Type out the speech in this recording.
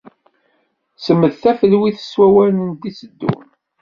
Smed tafelwit s wawalen d-iteddun.